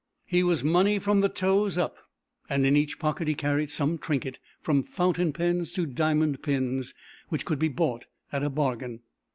He was money from the toes up, and in each pocket he carried some trinket, from fountain pens to diamond pins, which could be bought at a bargain.